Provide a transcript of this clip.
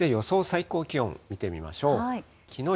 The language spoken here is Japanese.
最高気温、見てみましょう。